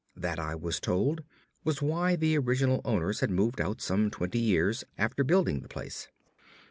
That, I was told, was why the original owners had moved out some twenty years after building the place.